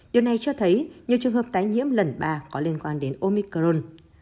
điều này cho thấy nhiều trường hợp tái nhiễm lần ba có liên quan đến omicron